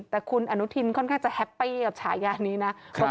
แต่คุณอนุทินค่อนข้างจะแฮปปี้กับฉายานี้นะ